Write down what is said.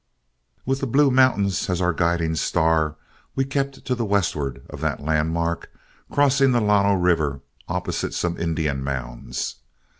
With the Blue Mountains as our guiding star, we kept to the westward of that landmark, crossing the Llano River opposite some Indian mounds.